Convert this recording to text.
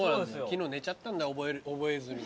昨日寝ちゃったんだ覚えずに。